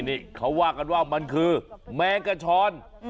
นี่เขาว่ากันว่ามันคือแมงกระชอน